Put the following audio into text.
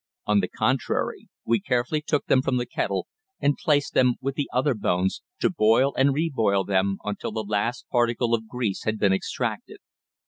On the contrary we carefully took them from the kettle and placed them with the other bones, to boil and reboil them until the last particle of grease had been extracted.